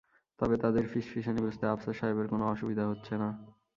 তবে তাদের ফিসফিসানি বুঝতে আফসার সাহেবের কোনো অসুবিধা হচ্ছে না।